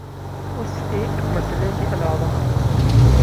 اس ایک مسئلے کے علاوہ